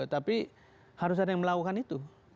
tapi harus ada yang melakukan itu